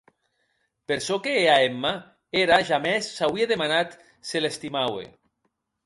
Per çò que hè a Emma, era jamès s’auie demanat se l’estimaue.